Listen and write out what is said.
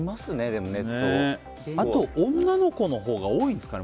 あと女の子のほうが多いですかね？